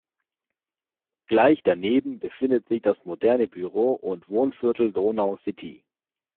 Gleich daneben befindet sich das moderne Büro- und Wohnviertel Donau City.